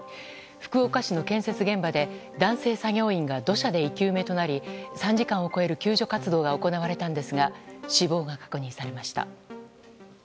福岡市の建設現場で男性作業員が土砂で生き埋めとなり３時間を超える救助活動が行われたんですが死亡が確認されました。